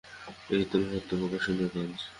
এ তো মহত্ত্ব, প্রশংসনীয় কাজ।